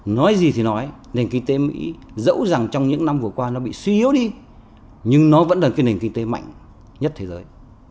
nói gì thì nói nền kinh tế mỹ dẫu rằng trong những năm vừa qua nó bị suy yếu đi nhưng nó vẫn là cái nền kinh tế mạnh nhất thế giới